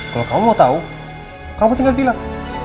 kalau kamu mau tahu kamu tinggal bilang